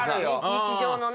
日常のね。